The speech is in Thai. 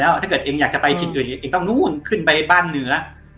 แล้วถ้าเกิดจะไปที่อื่นเองต้องนู่นขึ้นไปบ้านเหนื้อ